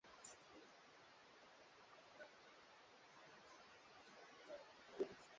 kwa kuanza kufanya kazi ya kusaidia huyu mchungaji kwa sababu kazi ilikuwa kubwa